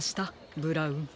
ブラウン。